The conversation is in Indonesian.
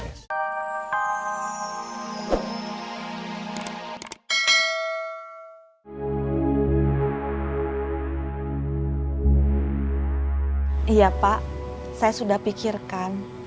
iya pak saya sudah pikirkan